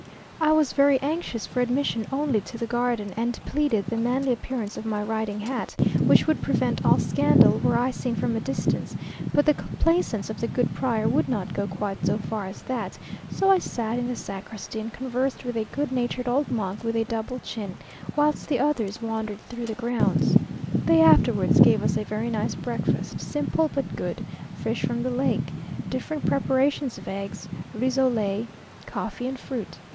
I was very anxious for admission only to the garden, and pleaded the manly appearance of my riding hat, which would prevent all scandal were I seen from a distance; but the complaisance of the good prior would not go quite so far as that, so I sat in the sacristy and conversed with a good natured old monk with a double chin, whilst the others wandered through the grounds. They afterwards gave us a very nice breakfast, simple but good; fish from the lake, different preparations of eggs, riz ou lait, coffee, and fruit.